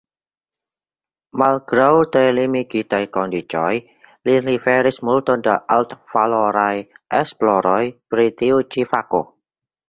Malgraŭ tre limigitaj kondiĉoj li liveris multon da altvaloraj esploroj pri tiu ĉi fako.